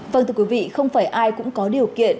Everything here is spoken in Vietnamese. vâng thưa quý vị không phải ai cũng có điều kiện